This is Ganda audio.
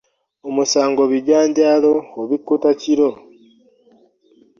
Omusango bijanjaalo obikkuta kiro.